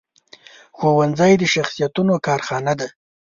ښوونځی د شخصیتونو کارخانه ده